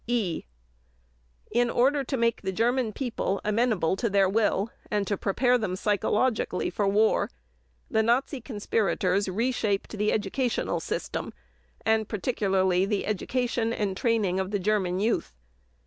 (e) In order to make the German people amenable to their will, and to prepare them psychologically for war, the Nazi conspirators reshaped the educational system and particularly the education and training of the German youth.